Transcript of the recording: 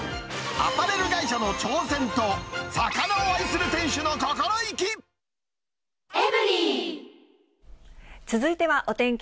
アパレル会社の挑戦と魚を愛する店主の心意気。